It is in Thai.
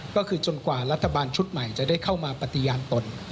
ก็คือจนกว่ารัฐบาลชุดใหม่จะได้เข้ามาปฏิญาณตน